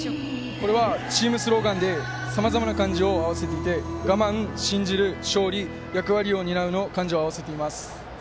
これはチームスローガンでさまざまな漢字を合わせていて我慢、信じる勝利、役割を担うの漢字を合わせています。